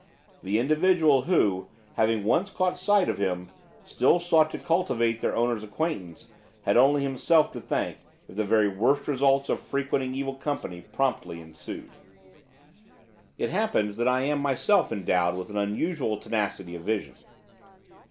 The individual who, having once caught sight of him, still sought to cultivate their owner's acquaintance, had only himself to thank if the very worst results of frequenting evil company promptly ensued. It happens that I am myself endowed with an unusual tenacity of vision.